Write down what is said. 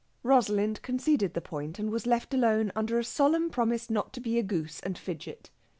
Rosalind conceded the point, and was left alone under a solemn promise not to be a goose and fidget.